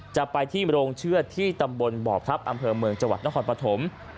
จะไปที่โรงเชือดที่ตำบลบ่อพลับอำเภอเมืองจังหวัดนครปฐม